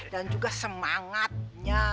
dan juga semangatnya